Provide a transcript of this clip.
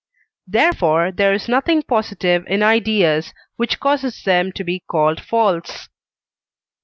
Therefore there is nothing positive in ideas which causes them to be called false.